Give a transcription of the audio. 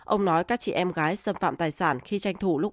ông nói các chị em gái xâm phạm tài sản khi tranh thủ lúc